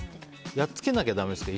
やっつけなきゃだめですか？